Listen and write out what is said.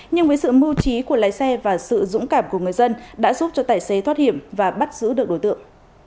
nhưng với sự mưu trí của lái xe và sự dũng cảm của người dân đã giúp cho tài xế thoát hiểm và bắt giữ được đối tượng